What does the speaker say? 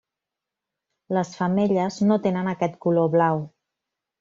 Les femelles no tenen aquest color blau.